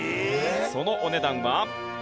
そのお値段は。